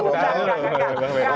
enggak enggak enggak